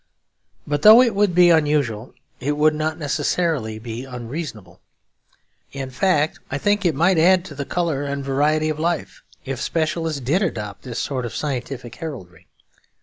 But though it would be unusual, it would not necessarily be unreasonable. In fact, I think it might add to the colour and variety of life, if specialists did adopt this sort of scientific heraldry.